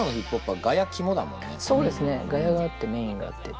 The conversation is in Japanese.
そうですね「ガヤ」があってメインがあって。